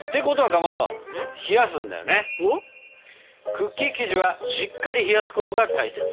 クッキー生地はしっかり冷やすことが大切。